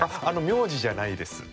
名字じゃないです。